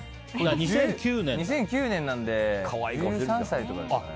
２００９年なんで１３歳とかですかね。